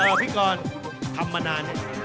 เอ่อพี่กรทำมานาน